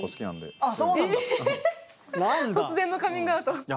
突然のカミングアウト。